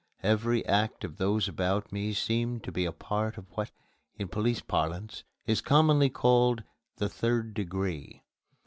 Every act of those about me seemed to be a part of what, in police parlance, is commonly called the "Third Degree."